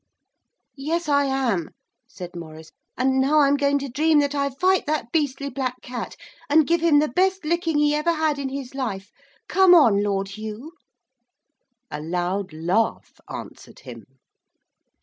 'Yes, I am,' said Maurice; 'and now I'm going to dream that I fight that beastly black cat, and give him the best licking he ever had in his life. Come on, Lord Hugh.' A loud laugh answered him.